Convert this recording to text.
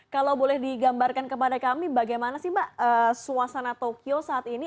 kalau boleh digambarkan kepada kami bagaimana sih mbak suasana tokyo saat ini